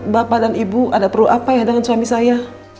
bapak dan ibu ada perlu apa ya dengan suami saya